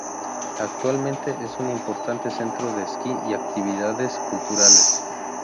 Actualmente es un importante centro de esquí y de actividades culturales.